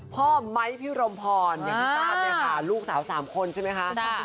พ่อไม้พิรมพรอย่างที่ตามเลยค่ะลูกสาวสามคนใช่ไหมคะ